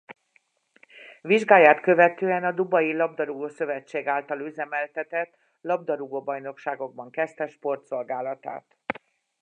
Vizsgáját követően a Dubaji labdarúgó-szövetség által üzemeltetett labdarúgó bajnokságokban kezdte sportszolgálatát.